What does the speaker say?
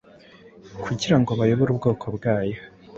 kugira ngo bayobore ubwoko bwayo.